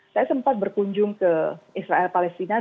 saya sempat berkunjung ke israel palestina